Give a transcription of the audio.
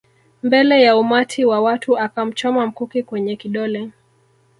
Mbele ya umati wa watu akamchoma mkuki kwenye kidole